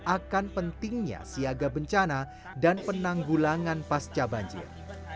akan pentingnya siaga bencana dan penanggulangan pasca banjir